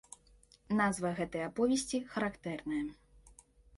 Назва гэтай аповесці характэрная.